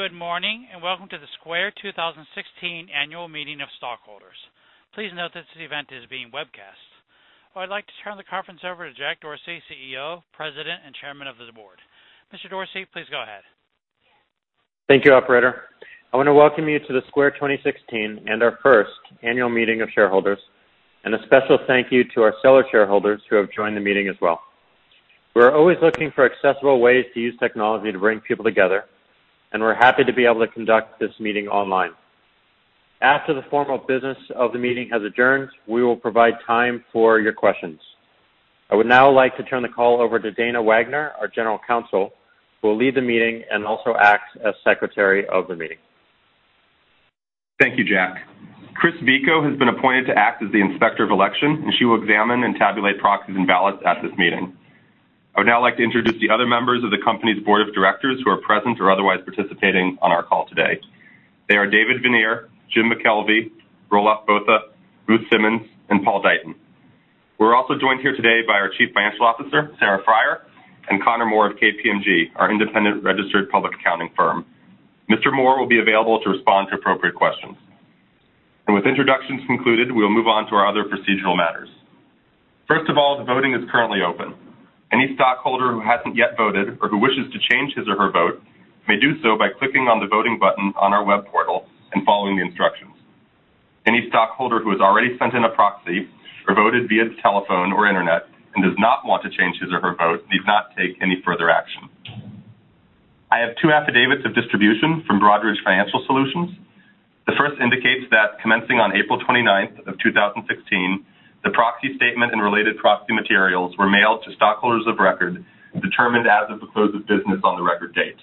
Good morning. Welcome to the Square 2016 Annual Meeting of stockholders. Please note that this event is being webcast. I would like to turn the conference over to Jack Dorsey, CEO, President, and Chairman of the Board. Mr. Dorsey, please go ahead. Thank you, operator. I want to welcome you to the Square 2016 and our first annual meeting of shareholders. A special thank you to our stellar shareholders who have joined the meeting as well. We're always looking for accessible ways to use technology to bring people together, and we're happy to be able to conduct this meeting online. After the formal business of the meeting has adjourned, we will provide time for your questions. I would now like to turn the call over to Dana Wagner, our General Counsel, who will lead the meeting and also act as Secretary of the meeting. Thank you, Jack. Chris Vico has been appointed to act as the Inspector of Election. She will examine and tabulate proxies and ballots at this meeting. I would now like to introduce the other members of the company's Board of Directors who are present or otherwise participating on our call today. They are David Viniar, Jim McKelvey, Roelof Botha, Ruth Simmons, and Paul Deighton. We're also joined here today by our Chief Financial Officer, Sarah Friar, and Conor Moore of KPMG, our independent registered public accounting firm. Mr. Moore will be available to respond to appropriate questions. With introductions concluded, we'll move on to our other procedural matters. First of all, the voting is currently open. Any stockholder who hasn't yet voted or who wishes to change his or her vote may do so by clicking on the voting button on our web portal and following the instructions. Any stockholder who has already sent in a proxy or voted via the telephone or internet, does not want to change his or her vote, need not take any further action. I have two affidavits of distribution from Broadridge Financial Solutions. The first indicates that commencing on April 29, 2016, the proxy statement and related proxy materials were mailed to stockholders of record, determined as of the close of business on the record date.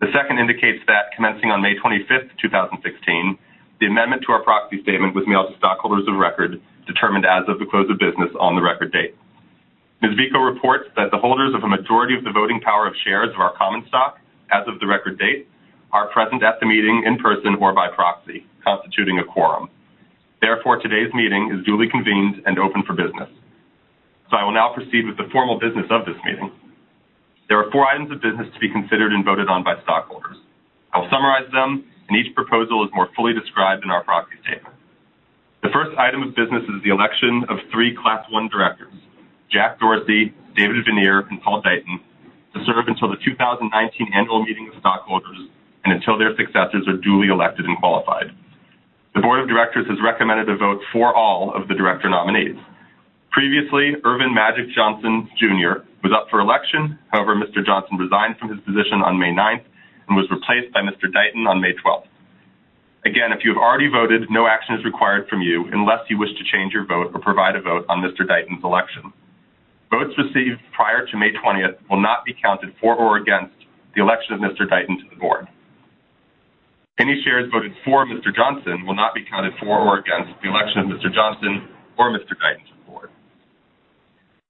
The second indicates that commencing on May 25, 2016, the amendment to our proxy statement was mailed to stockholders of record, determined as of the close of business on the record date. Ms. Vico reports that the holders of a majority of the voting power of shares of our common stock as of the record date, are present at the meeting in person or by proxy, constituting a quorum. Therefore, today's meeting is duly convened and open for business. I will now proceed with the formal business of this meeting. There are four items of business to be considered and voted on by stockholders. I will summarize them, and each proposal is more fully described in our proxy statement. The first item of business is the election of three Class I directors, Jack Dorsey, David Viniar, and Paul Deighton, to serve until the 2019 Annual Meeting of Stockholders and until their successors are duly elected and qualified. The board of directors has recommended a vote for all of the director nominees. Previously, Earvin Magic Johnson Jr. was up for election. However, Mr. Johnson resigned from his position on May 9th and was replaced by Mr. Deighton on May 12th. Again, if you have already voted, no action is required from you unless you wish to change your vote or provide a vote on Mr. Deighton's election. Votes received prior to May 20th will not be counted for or against the election of Mr. Deighton to the board. Any shares voted for Mr. Johnson will not be counted for or against the election of Mr. Johnson or Mr. Deighton to the board.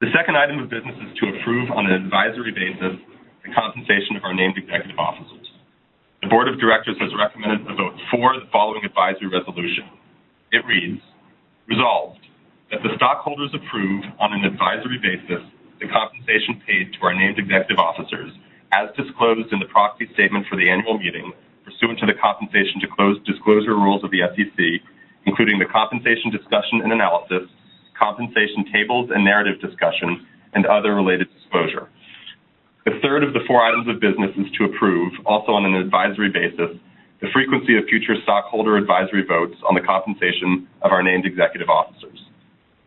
The second item of business is to approve on an advisory basis the compensation of our named executive officers. The board of directors has recommended a vote for the following advisory resolution. It reads, "Resolved, that the stockholders approve, on an advisory basis, the compensation paid to our named executive officers as disclosed in the proxy statement for the annual meeting pursuant to the compensation disclosure rules of the SEC, including the compensation discussion and analysis, compensation tables and narrative discussion, and other related disclosure." The third of the four items of business is to approve, also on an advisory basis, the frequency of future stockholder advisory votes on the compensation of our named executive officers.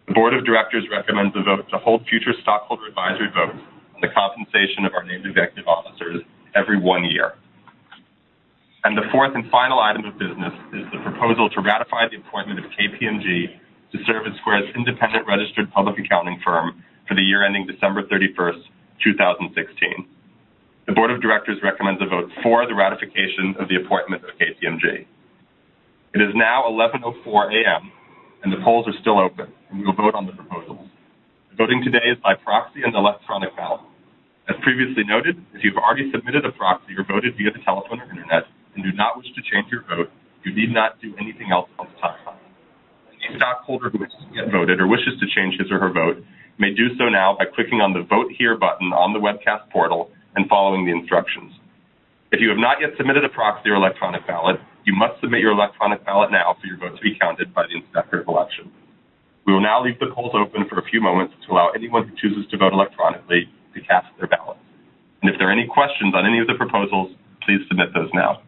The board of directors recommends a vote to hold future stockholder advisory votes on the compensation of our named executive officers every one year. The fourth and final item of business is the proposal to ratify the appointment of KPMG to serve as Square's independent registered public accounting firm for the year ending December 31st, 2016. The board of directors recommends a vote for the ratification of the appointment of KPMG. It is now 11:04 A.M., and the polls are still open, and we will vote on the proposals. Voting today is by proxy and electronic ballot. As previously noted, if you've already submitted a proxy or voted via the telephone or internet, and do not wish to change your vote, you need not do anything else at this time. Any stockholder who has yet voted or wishes to change his or her vote may do so now by clicking on the Vote Here button on the webcast portal and following the instructions. If you have not yet submitted a proxy or electronic ballot, you must submit your electronic ballot now for your vote to be counted by the Inspector of Election. We will now leave the polls open for a few moments to allow anyone who chooses to vote electronically to cast their ballot. If there are any questions on any of the proposals, please submit those now.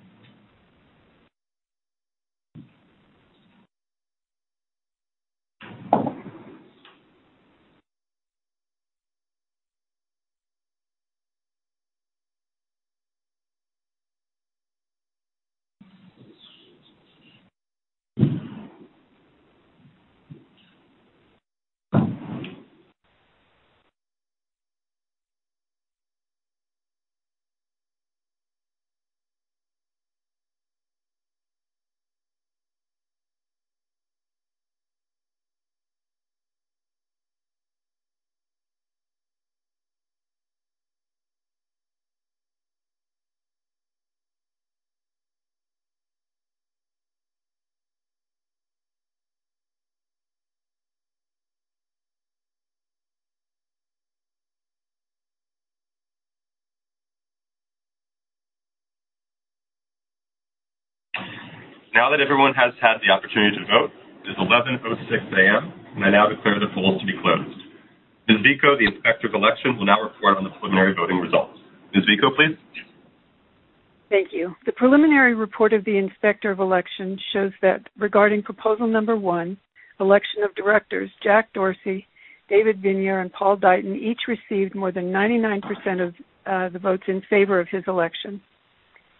Now that everyone has had the opportunity to vote, it is 11:06 A.M., and I now declare the polls to be closed. Ms. Vico, the Inspector of Elections, will now report on the preliminary voting results. Ms. Vico, please. Thank you. The preliminary report of the Inspector of Elections shows that regarding proposal number 1, election of directors, Jack Dorsey, David Viniar, and Paul Deighton each received more than 99% of the votes in favor of his election.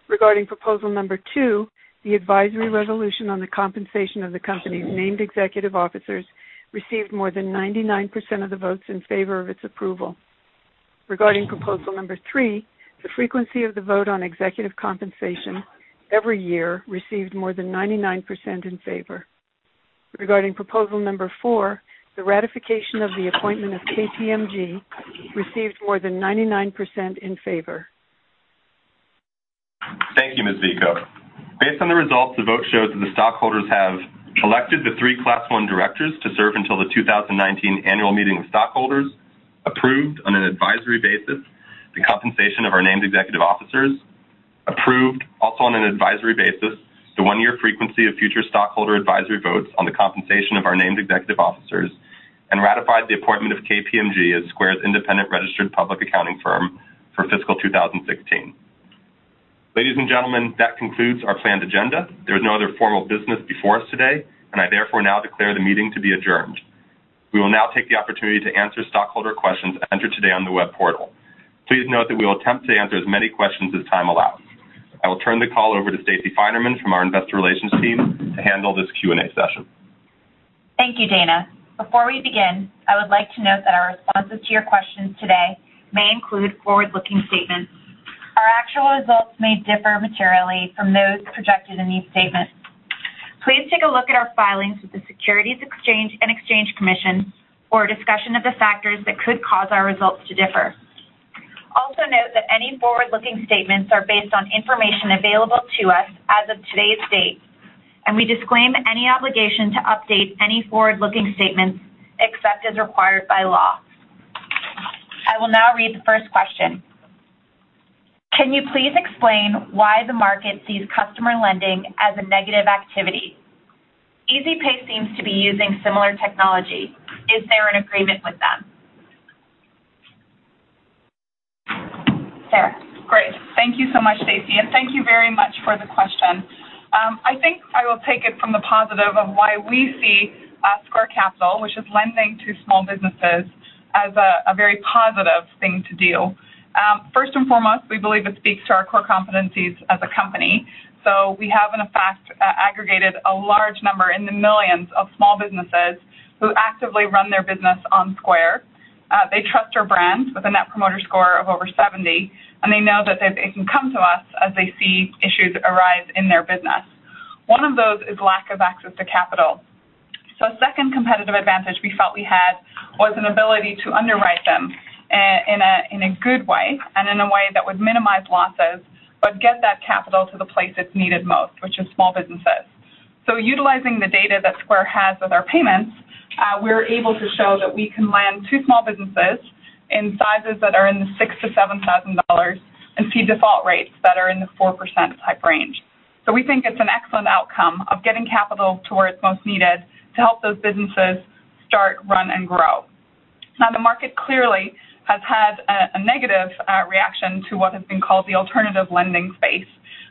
Regarding proposal number 2, the advisory resolution on the compensation of the company's named executive officers received more than 99% of the votes in favor of its approval. Regarding proposal number 3, the frequency of the vote on executive compensation every year received more than 99% in favor. Regarding proposal number 4, the ratification of the appointment of KPMG received more than 99% in favor. Thank you, Ms. Vico. Based on the results, the vote shows that the stockholders have elected the three Class I directors to serve until the 2019 annual meeting of stockholders, approved on an advisory basis the compensation of our named executive officers, approved also on an advisory basis the one-year frequency of future stockholder advisory votes on the compensation of our named executive officers, and ratified the appointment of KPMG as Square's independent registered public accounting firm for fiscal 2016. Ladies and gentlemen, that concludes our planned agenda. There is no other formal business before us today, and I therefore now declare the meeting to be adjourned. We will now take the opportunity to answer stockholder questions entered today on the web portal. Please note that we will attempt to answer as many questions as time allows. I will turn the call over to Stacey Finerman from our investor relations team to handle this Q&A session. Thank you, Dana. Before we begin, I would like to note that our responses to your questions today may include forward-looking statements. Our actual results may differ materially from those projected in these statements. Please take a look at our filings with the Securities and Exchange Commission for a discussion of the factors that could cause our results to differ. Note that any forward-looking statements are based on information available to us as of today's date, and we disclaim any obligation to update any forward-looking statements except as required by law. I will now read the first question. Can you please explain why the market sees customer lending as a negative activity? EasyPay seems to be using similar technology. Is there an agreement with them? Sarah. Great. Thank you so much, Stacey, thank you very much for the question. I think I will take it from the positive of why we see Square Capital, which is lending to small businesses, as a very positive thing to do. First and foremost, we believe it speaks to our core competencies as a company. We have, in effect, aggregated a large number, in the millions, of small businesses who actively run their business on Square. They trust our brand with a Net Promoter Score of over 70, they know that they can come to us as they see issues arise in their business. One of those is lack of access to capital. A second competitive advantage we felt we had was an ability to underwrite them in a good way and in a way that would minimize losses but get that capital to the place it's needed most, which is small businesses. Utilizing the data that Square has with our payments, we're able to show that we can lend to small businesses in sizes that are in the $6,000 to $7,000 and see default rates that are in the 4%-type range. We think it's an excellent outcome of getting capital to where it's most needed to help those businesses start, run, and grow. Now, the market clearly has had a negative reaction to what has been called the alternative lending space,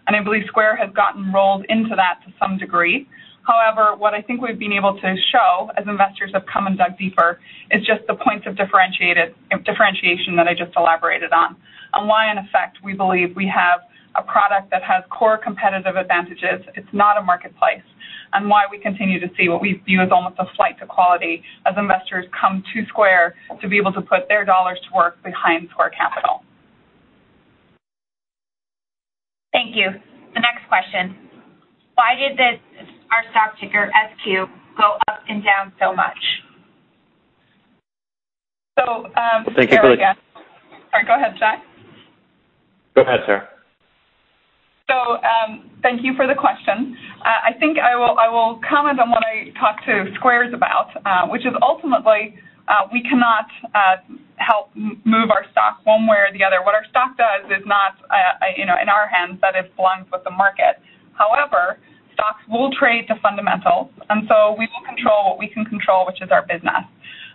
I believe Square has gotten rolled into that to some degree. However, what I think we've been able to show as investors have come and dug deeper is just the points of differentiation that I just elaborated on why, in effect, we believe we have a product that has core competitive advantages. It's not a marketplace, why we continue to see what we view as almost a flight to quality as investors come to Square to be able to put their dollars to work behind Square Capital. Thank you. The next question, why did our stock ticker, SQ, go up and down so much? This is Sarah again. Thank you. Go ahead, Jack. Go ahead, Sarah. Thank you for the question. I think I will comment on what I talked to Square about which is ultimately, we cannot help move our stock one way or the other. What our stock does is not in our hands. That is blunt with the market. However, stocks will trade to fundamentals. We will control what we can control, which is our business.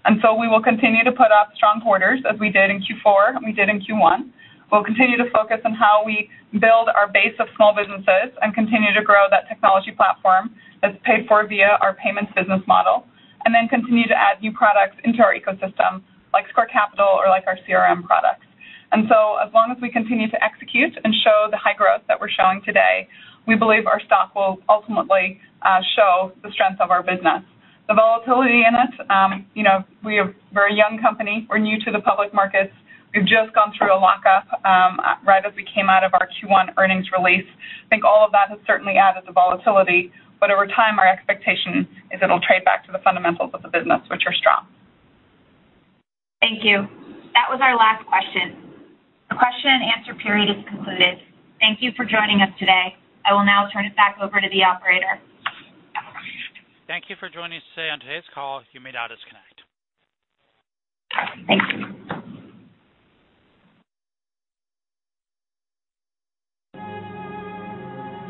We will continue to put up strong quarters as we did in Q4 and we did in Q1. We'll continue to focus on how we build our base of small businesses and continue to grow that technology platform that's paid for via our payments business model, then continue to add new products into our ecosystem, like Square Capital or like our CRM products. As long as we continue to execute and show the high growth that we're showing today, we believe our stock will ultimately show the strength of our business. The volatility in it, we're a very young company. We're new to the public markets. We've just gone through a lock-up right as we came out of our Q1 earnings release. I think all of that has certainly added to volatility, but over time, our expectation is it'll trade back to the fundamentals of the business, which are strong. Thank you. That was our last question. The question and answer period is concluded. Thank you for joining us today. I will now turn it back over to the operator. Thank you for joining us today on today's call. You may now disconnect. Thank you.